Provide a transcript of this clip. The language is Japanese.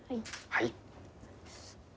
はい。